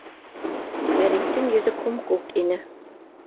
Фәриттең йөҙө күм-күк ине.